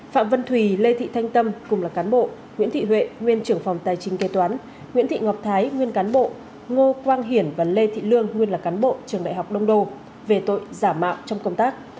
phạm vân thùy lê thị thanh tâm cùng là cán bộ nguyễn thị huệ nguyên trưởng phòng tài chính kế toán nguyễn thị ngọc thái nguyên cán bộ ngô quang hiển và lê thị lương nguyên là cán bộ trường đại học đông đô về tội giả mạo trong công tác